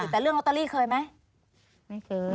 แต่เรื่องลอตเตอรี่เคยไหมไม่เคย